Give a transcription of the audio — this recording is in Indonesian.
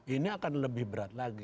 ini akan lebih berat lagi